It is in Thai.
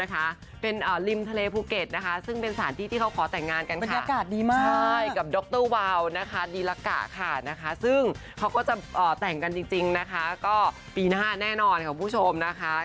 ก็ปีหน้าแน่นอนของผู้ชมนะคะ